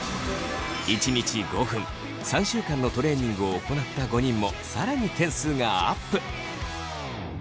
１日５分３週間のトレーニングを行った５人も更に点数がアップ。